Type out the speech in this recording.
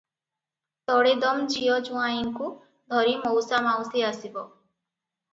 ତଡ଼େଦମ୍ ଝିଅ ଜୁଆଇଁଙ୍କୁ ଧରି ମଉସା ମାଉସୀ ଆସିବ ।